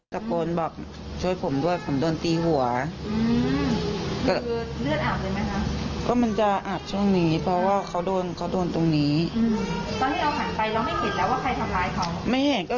เขาเชี่ยวกระจกรถการแล้วเขาเรียก๒๐๐๐บาทอะไรอย่างนี้